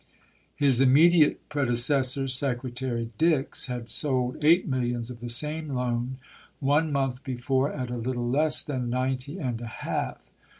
His immediate pre decessor. Secretary Dix, had sold eight millions of the same loan one month before at a little less than ninety and a half.